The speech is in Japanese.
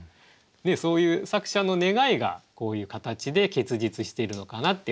そういう作者の願いがこういう形で結実しているのかなって思いました。